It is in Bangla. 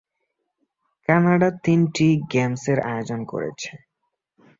কানাডা তিনটি গেমসের আয়োজন করেছে।